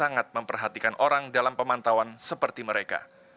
dan juga memperhatikan orang dalam pemantauan seperti mereka